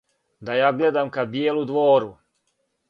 Да ја гледам ка бијелу двору